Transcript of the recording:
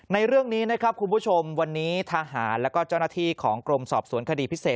ในเรื่องนี้นะครับคุณผู้ชมวันนี้ทหารแล้วก็เจ้าหน้าที่ของกรมสอบสวนคดีพิเศษ